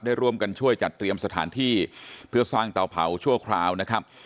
ได้ร่วมกันช่วยจัดเตรียมสถานที่เพื่อสร้างเตาเผาชั่วคราวนะครับ